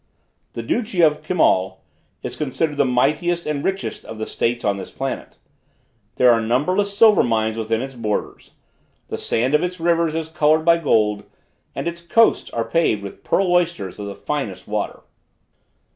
The duchy of Kimal is considered the mightiest and richest of the states on this planet. There are numberless silver mines within its borders: the sand of its rivers is colored by gold, and its coasts are paved with pearl oysters of the finest water.